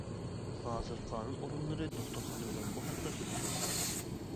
ھازىر قانۇن ئورۇنلىرى دوختۇرخانا بىلەن بۇ ھەقتە سۆزلىشىۋاتىدۇ.